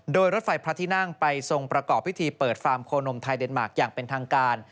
โดยรถไฟพระที่นั่งไปทรงประกอบพิธีเปิดฟาร์มโคนมไทยเดนมาร์คอย่างเป็นทางการ